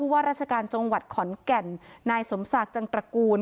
ว่าราชการจังหวัดขอนแก่นนายสมศักดิ์จังตระกูล